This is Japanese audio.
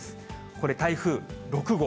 これ、台風６号。